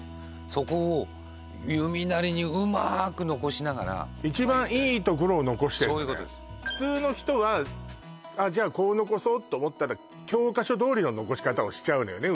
そこを弓なりにうまく残しながらそういうことです普通の人はじゃあこう残そうと思ったら教科書どおりの残し方をしちゃうのよね